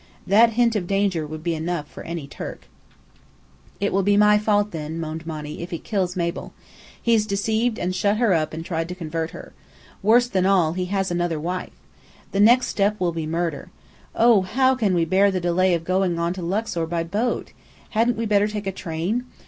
That hint of danger would be enough for any Turk." "It will be my fault, then," moaned Monny, "if he kills Mabel. He's deceived and shut her up and tried to convert her. Worse than all, he has another wife. The next step will be murder. Oh, how can we bear the delay of going on to Luxor by boat! Hadn't we better take a train?